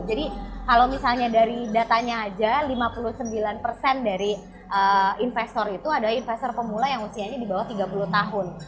jadi kalau misalnya dari datanya aja lima puluh sembilan dari investor itu adalah investor pemula yang usianya di bawah tiga puluh tahun